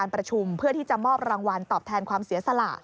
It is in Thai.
ประชุมเพื่อที่จะมอบรางวัลตอบแทนความเสียสละ